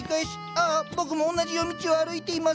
ああ僕も同じ夜道を歩いています。